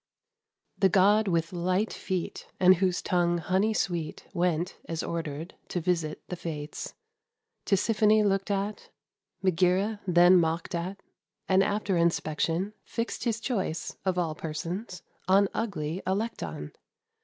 The god with light feet, And whose tongue's honey sweet, Went, as ordered, to visit the Fates. Tisiphone looked at, Megæra then mocked at; And, after inspection, Fixed his choice, of all persons, on ugly Alecton.